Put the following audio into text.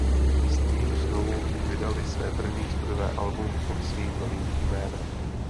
S ním znovu vydali své první studiové album pod svým novým jménem.